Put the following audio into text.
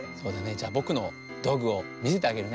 じゃぼくのどうぐをみせてあげるね。